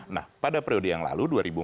nah pada periode yang lalu